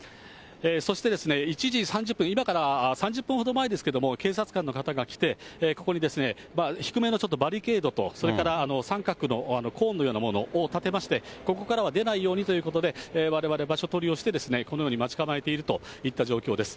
そして、１時３０分、今から３０分ほど前ですけれども、警察官の方が来て、ここに低めのちょっとバリケードと、それから三角のコーンのようなものを立てまして、ここからは出ないようにということで、われわれ、場所取りをして、このように待ち構えているといった状況です。